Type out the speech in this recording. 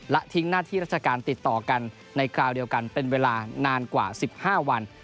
และทิ้งหน้าที่ราชการติดต่อกันในคราวเดียวกันเป็นเวลานานกว่า๑๕วัน